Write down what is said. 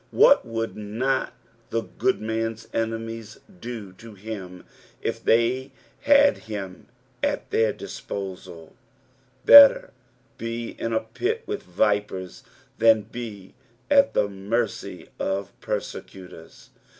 What would not the good mnn's enemies do to him if they had him at their dis|)osal t Better be in a pit with vipers than be at lbs mercy of persecutors.